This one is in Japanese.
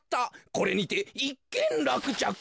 これにていっけんらくちゃく。